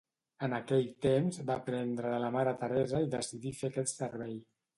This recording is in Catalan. En aquell temps, va aprendre de la Mare Teresa i decidí fer aquest servei.